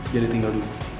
jadi tinggal dulu